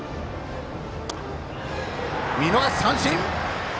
見逃し三振。